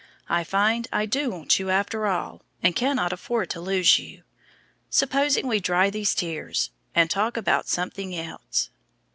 I find I do want you after all, and cannot afford to lose you. Supposing we dry these tears, and talk about something else."